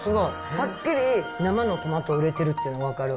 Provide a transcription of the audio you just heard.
はっきり生のトマトを入れてるっていうの分かる。